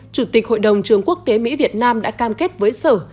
chủ tịch hội đồng trường quốc tế mỹ việt nam đã cam kết với sở